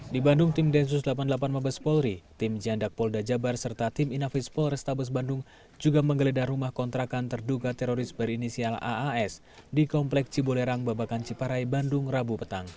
di bandung tim densus delapan puluh delapan mabes polri tim jandak polda jabar serta tim inafis polrestabes bandung juga menggeledah rumah kontrakan terduga teroris berinisial aas di komplek cibolerang babakan ciparai bandung rabu petang